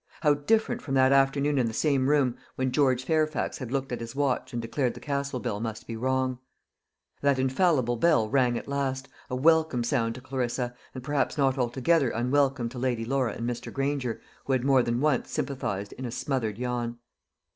How different from that afternoon in the same room when George Fairfax had looked at his watch and declared the Castle bell must be wrong! That infallible bell rang at last a welcome sound to Clarissa, and perhaps not altogether unwelcome to Lady Laura and Mr. Granger, who had more than once sympathised in a smothered yawn.